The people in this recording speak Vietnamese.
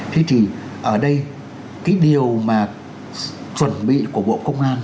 thưa chị ở đây cái điều mà chuẩn bị của bộ công an